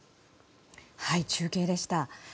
中継でした。